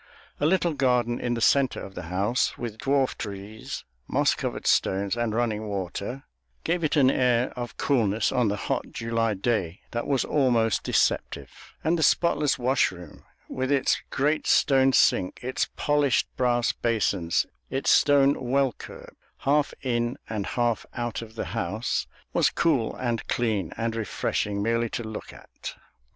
A little garden in the centre of the house, with dwarf trees, moss covered stones, and running water, gave it an air of coolness on the hot July day that was almost deceptive; and the spotless wash room, with its great stone sink, its polished brass basins, its stone well curb, half in and half out of the house, was cool and clean and refreshing merely to look at.